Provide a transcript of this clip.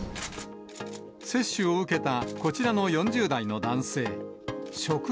接種を受けたこちらの４０代の男性。